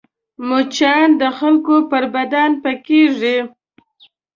مچان د خلکو پر بدن پکېږي